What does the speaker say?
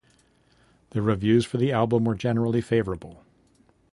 The reviews for the album were generally favorable.